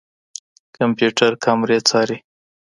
کمپيوټر کامرې څاري.